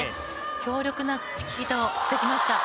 強力なチキータを防ぎました。